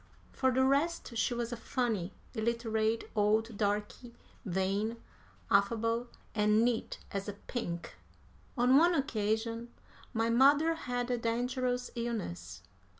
For the rest, she was a funny, illiterate old darkey, vain, affable, and neat as a pink. On one occasion my mother had a dangerous illness.